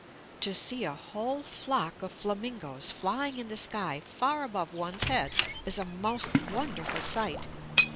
To see a whole flock of flamingos flying in the sky far above one's head is a most wonderful sight.